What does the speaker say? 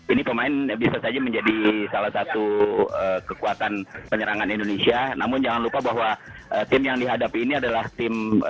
ini pemain bisa saja menjadi salah satu kekuatan penyerangan indonesia namun jangan lupa bahwa tim yang dihadapi ini adalah tim